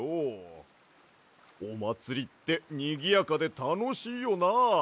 おまつりってにぎやかでたのしいよな。